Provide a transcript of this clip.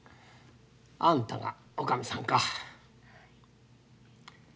あんたが女将さんか。